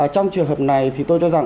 trong trường hợp này thì tôi cho rằng